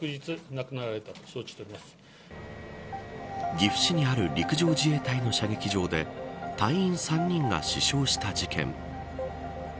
岐阜市にある陸上自衛隊の射撃場で隊員３人が死傷した事件。